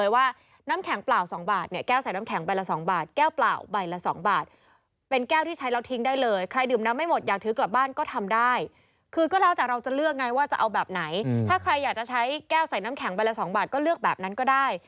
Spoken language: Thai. ว่าจะเอาแบบไหนถ้าใครอยากจะใช้แก้วใส่น้ำแข็งใบละ๒บาทก็เลือกแบบนั้นก็ได้